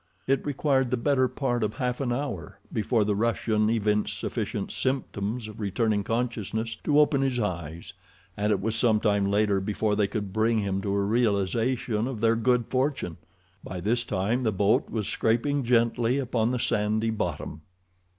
It required the better part of half an hour before the Russian evinced sufficient symptoms of returning consciousness to open his eyes, and it was some time later before they could bring him to a realization of their good fortune. By this time the boat was scraping gently upon the sandy bottom.